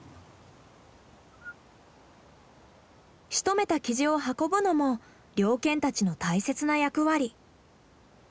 しとめたキジを運ぶのも猟犬たちの大切な役割。